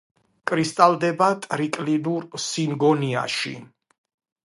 კრისტალდება ტრიკლინურ სინგონიაში.